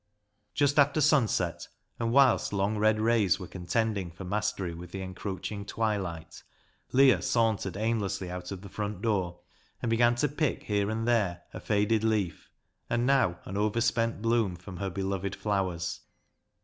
Just after sunset, and whilst long red rays were contending for mastery with the en croaching twilight, Leah sauntered aimlessly out of the front door, and began to pick here and there a faded leaf, and now an over spent bloom, from her beloved flowers.